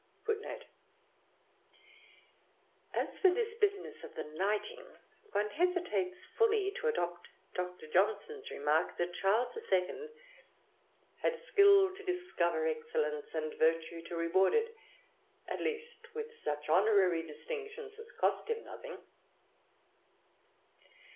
[Footnote 1: As for this business of the knighting, one hesitates fully to adopt Dr. Johnson's remark that Charles II. "had skill to discover excellence and virtue to reward it, at least with such honorary distinctions as cost him nothing."